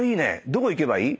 どこ行けばいい？